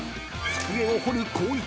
［机を彫る光一。